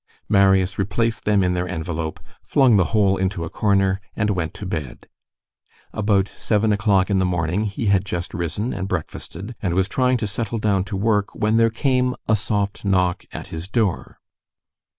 Marius replaced them in their envelope, flung the whole into a corner and went to bed. About seven o'clock in the morning, he had just risen and breakfasted, and was trying to settle down to work, when there came a soft knock at his door.